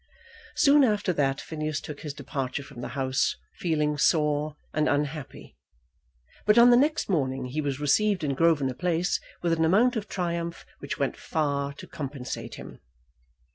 Soon after that Phineas took his departure from the house, feeling sore and unhappy. But on the next morning he was received in Grosvenor Place with an amount of triumph which went far to compensate him.